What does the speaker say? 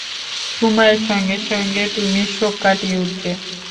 সময়ের সঙ্গে সঙ্গে তুমি শোক কাটিয়ে উঠবে।